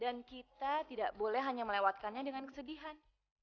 dan kita tidak boleh hanya melewatkannya dengan kesedihan